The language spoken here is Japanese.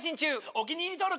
お気に入り登録。